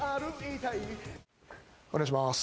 お願いします。